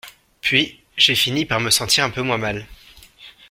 Puis, j’ai fini par me sentir un peu moins mal.